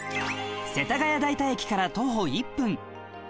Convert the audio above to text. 世田谷代田駅から徒歩１分